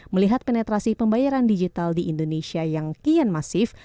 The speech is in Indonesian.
melihat penetrasi pembayaran digital di indonesia yang kian masif